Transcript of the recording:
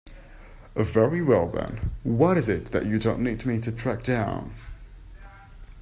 Very well then, what is it that you need me to track down?